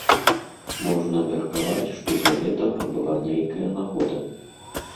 Можна меркаваць, што для гэтага была нейкая нагода.